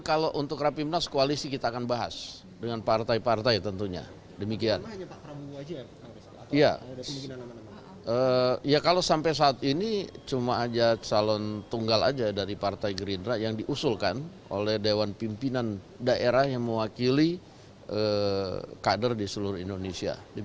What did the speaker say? komunikasi dengan pkb kemarin tidak menghasilkan nama nama yang kemungkinan juga akan di cabres